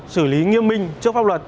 xử lý nghiêm minh trước pháp luật